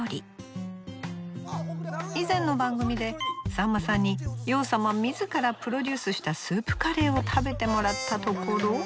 以前の番組でさんまさんに洋さま自らプロデュースしたスープカレーを食べてもらったところ。